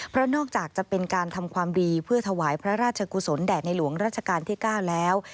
เพราะนอกจากจะเป็นการทำความดีเพื่อถวายพระราชกุศลแด่ในหลวงราชการที่๙แล้ว